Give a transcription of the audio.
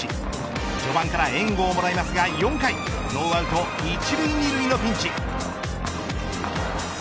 序盤から援護をもらいますが４回ノーアウト１塁２塁のピンチ。